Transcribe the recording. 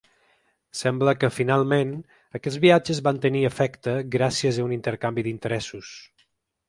Sembla que, finalment, aquests viatges van tenir efecte gràcies a un intercanvi d’interessos.